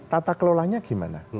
tata kelolanya gimana